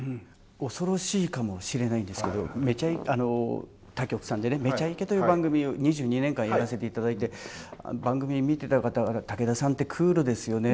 恐ろしいかもしれないんですけど他局さんでね「めちゃイケ」という番組を２２年間やらせて頂いて番組見てた方々「武田さんってクールですよね」